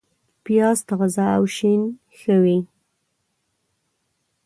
پیاز تازه او شین ښه وي